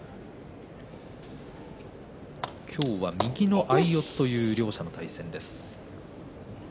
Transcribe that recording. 今日は右の相四つという両者の対戦です。